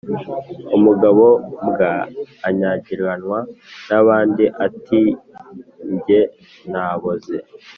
Umugabo mbwa anyagiranwa n’abandi ati jye naboze.